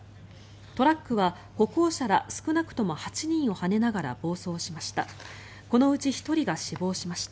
トラックは歩行者ら少なくとも８人をはねながら、暴走しました。